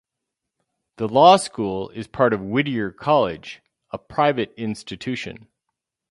The law school is part of Whittier College, a private institution.